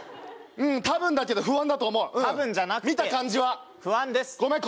多分だけど不安だと思う多分じゃなくてうん見た感じは不安ですごめん